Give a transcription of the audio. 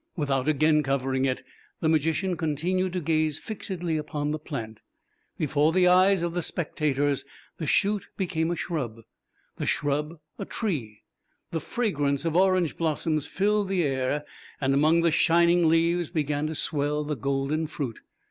Without again covering it, the magician continued to gaze fixedly upon the plant. Before the eyes of the spectators the shoot became a shrub, the shrub a tree; the fragrance of orange blossoms filled the air, and among the shining leaves began to swell the golden fruit.